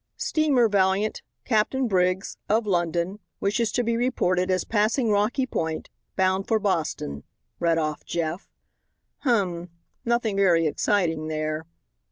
"'Steamer Valiant, Captain Briggs, of London, wishes to be reported as passing Rocky Point, bound for Boston,'" read off Jeff. "Hum nothing very exciting there."